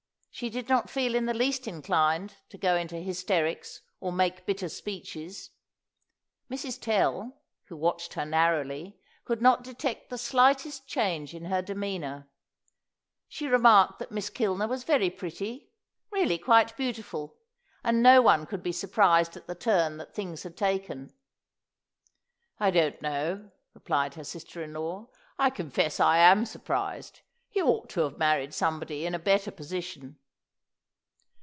She did not feel in the least inclined to go into hysterics or make bitter speeches. Mrs. Tell, who watched her narrowly, could not detect the slightest change in her demeanour. She remarked that Miss Kilner was very pretty really quite beautiful and no one could be surprised at the turn that things had taken. "I don't know," replied her sister in law; "I confess I am surprised. He ought to have married somebody in a better position."